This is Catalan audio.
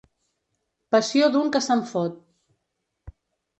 Passió d'un que se'n fot.